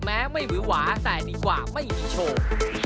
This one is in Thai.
แม้ไม่หวือหวาแต่ดีกว่าไม่มีโชว์